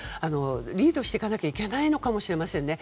リードしていかないといけないのかもしれませんね。